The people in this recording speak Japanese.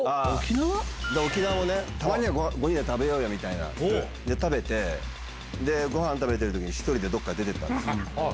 沖縄もね、たまには５人で食べようよみたいな、食べて、ごはん食べてるときに、１人でどっか出てったんですよ。